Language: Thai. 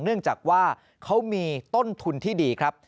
เนื่องจากว่าเขามีต้นทุนที่ดีครับ